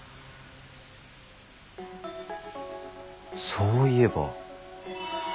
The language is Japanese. そういえば。